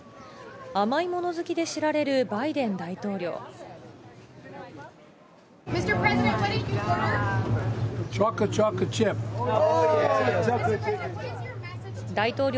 甘いもの好きで知られるバイデン大統領。